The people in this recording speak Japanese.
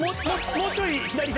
もうちょい左左。